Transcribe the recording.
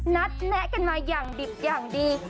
แนะกันมาอย่างดิบอย่างดี